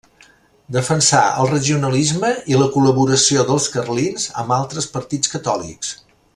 Defensà el regionalisme i la col·laboració dels carlins amb altres partits catòlics.